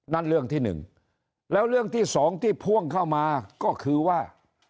นั่นเรื่องที่หนึ่งแล้วเรื่องที่สองที่พ่วงเข้ามาก็คือว่า